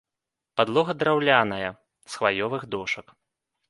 Падлога драўляная, з хваёвых дошак.